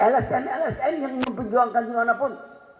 lsn lsn yang mempenjuangkan dimanapun